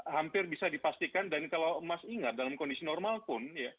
hampir bisa dipastikan dan kalau mas ingat dalam kondisi normal pun